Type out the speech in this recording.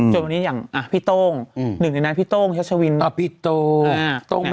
จนวันนี้อย่างพี่โต้งหนึ่งในนั้นพี่โต้งชัชวินพี่โต้ง